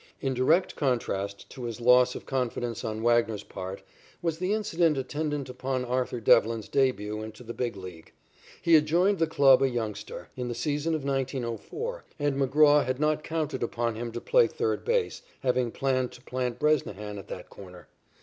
In direct contrast to this loss of confidence on Wagner's part was the incident attendant upon Arthur Devlin's début into the Big League. He had joined the club a youngster, in the season of 1904, and McGraw had not counted upon him to play third base, having planned to plant Bresnahan at that corner.